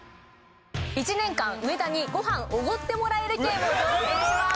１年間上田にご飯奢ってもらえる権を贈呈します。